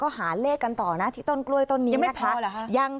ก็หาเลขกันต่อนะที่ต้นกล้วยต้นนี้นะคะ